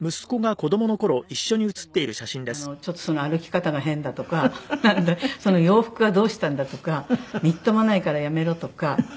どこか行っても「ちょっとその歩き方が変だ」とか「その洋服はどうしたんだ」とか「みっともないからやめろ」とか。